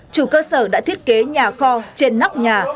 chủ cơ sở đã thiết kế nhà kho trên nóc nhà